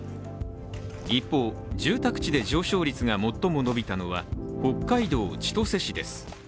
一方、住宅地で上昇率が最も伸びたのは北海道千歳市です。